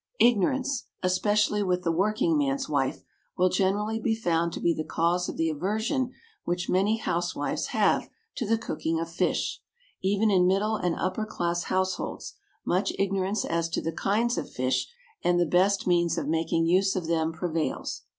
Ignorance, especially with the working man's wife, will generally be found to be the cause of the aversion which many housewives have to the cooking of fish; even in middle and upper class households much ignorance as to the kinds of fish and the best means of making use of them prevails.